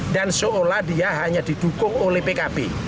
dan seolah dia hanya didukung oleh pkb